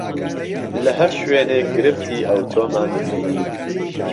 له ههر شوێنێک گرفتی ئهوتۆمان بینی